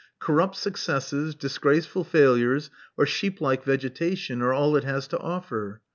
Corrupt successes, disgraceful failures, or sheeplike vegetation are all it has to offer.